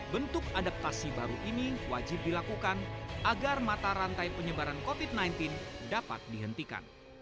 bentuk adaptasi baru ini wajib dilakukan agar mata rantai penyebaran covid sembilan belas dapat dihentikan